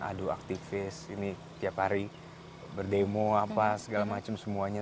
aduh aktivis ini tiap hari berdemo apa segala macam semuanya